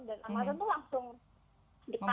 dan amazon tuh langsung ditarik soalnya